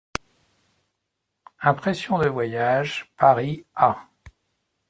=Impressions de voyage.= Paris, A.